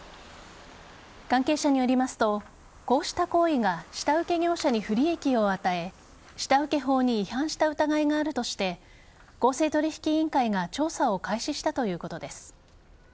関係者によりますとこうした行為が下請け業者に不利益を与え下請け法に違反した疑いがあるとして公正取引委員会が調査を開始したということです。